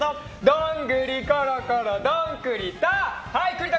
どんぐりころころどん栗田！